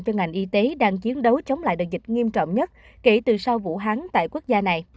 cho ngành y tế đang chiến đấu chống lại đợt dịch nghiêm trọng